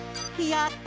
やった！